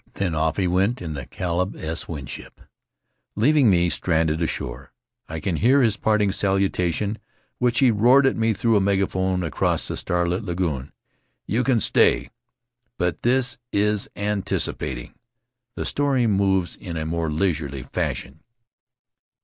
Then off he went in the Caleb S. Winship, leaving me stranded ashore. I can still hear his parting salutation which he roared at me though a megaphone across the starlit lagoon, "You can stay —' But this is anticipat ing. The story moves in a more leisurely fashion.